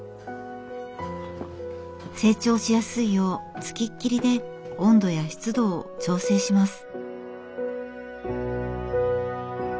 成長しやすいよう付きっきりで温度や湿度を調整します。